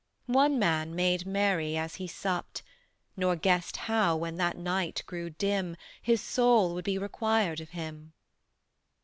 One man made merry as he supped, Nor guessed how when that night grew dim His soul would be required of him.